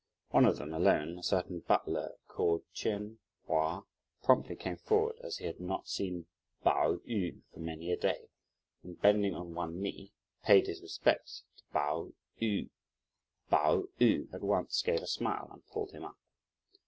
One of them alone, a certain butler, called Ch'ien Hua, promptly came forward, as he had not seen Pao yü for many a day, and bending on one knee, paid his respects to Pao yü. Pao yü at once gave a smile and pulled him up.